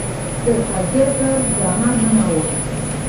د تاجر په جامه ننووت.